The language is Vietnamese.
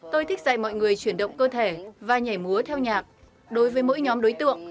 tôi thích dạy mọi người chuyển động cơ thể và nhảy múa theo nhạc đối với mỗi nhóm đối tượng